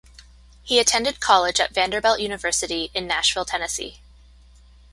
He attended college at Vanderbilt University in Nashville, Tennessee.